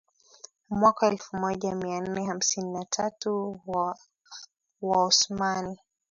Mwaka elfumoja mianne hamsini na tatu Waosmani